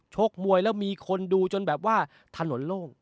ชกมวยแล้วมีคนดูจนแบบว่าถนนโล่ง